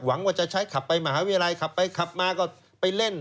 หวังว่าจะใช้ขับไปมหาวิรัยขับมาก็ไปเล่น